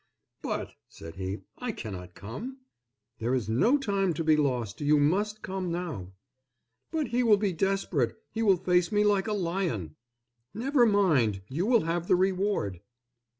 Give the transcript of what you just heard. "But," said he, "I cannot come." "There is no time to be lost; you must come now." "But he will be desperate; he will face me like a lion." "Never mind! you will have the reward."